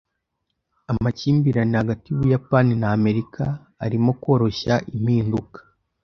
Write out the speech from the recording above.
Amakimbirane hagati yUbuyapani na Amerika arimo koroshya impinduka.